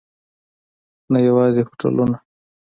نه یوازې هوټلونه.